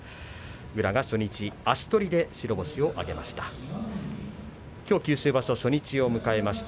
宇良が初日足取りで白星を挙げました。